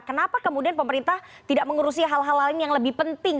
kenapa kemudian pemerintah tidak mengurusi hal hal lain yang lebih penting